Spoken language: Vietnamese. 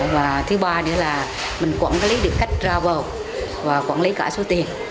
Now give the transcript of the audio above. và thứ ba nữa là mình quản lý được cách travel và quản lý cả số tiền